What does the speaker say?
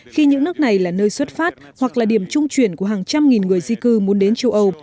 khi những nước này là nơi xuất phát hoặc là điểm trung chuyển của hàng trăm nghìn người di cư muốn đến châu âu